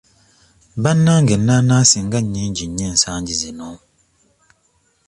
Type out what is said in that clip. Bannange enaanaansi nga nnyingi nnyo ensangi zino?